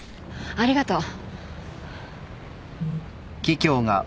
ありがとう。